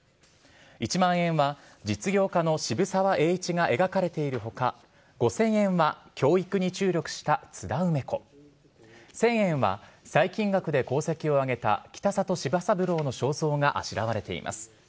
一万円は実業家の渋沢栄一が描かれている他五千円は教育に注力した津田梅子千円は細菌学で功績を挙げた北里柴三郎の肖像があしらわれています。